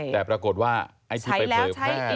แต่ปรากฏว่าไอ้ที่ไปเผยแพร่